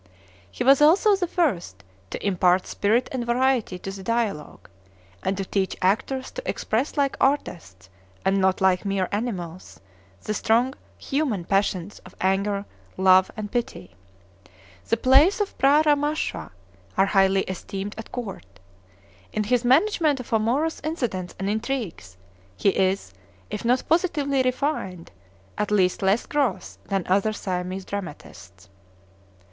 He was also the first to impart spirit and variety to the dialogue, and to teach actors to express like artists, and not like mere animals, the strong human passions of anger, love, and pity. The plays of P'hra Ramawsha are highly esteemed at court. In his management of amorous incidents and intrigues, he is, if not positively refined, at least less gross than other Siamese dramatists. [Illustration: SIAMESE ACTOR AND ACTRESS.